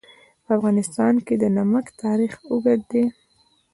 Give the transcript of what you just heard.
په افغانستان کې د نمک تاریخ اوږد دی.